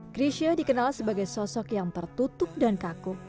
grisha dikenal sebagai sosok yang tertutup dan kaku